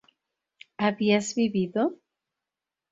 ¿habías vivido?